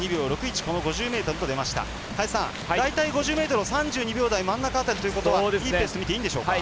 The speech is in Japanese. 林さん、大体５０ｍを３２秒台の真ん中あたりということはいいペースとみていいでしょうか。